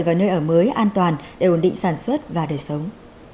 và nơi ở mới an toàn để ổn định sản xuất và đời sống